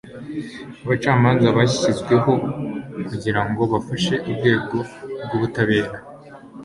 abacamanza bashyizweho kugira ngo bafashe urwego rw'ubutabera